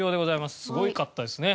すごかったですね。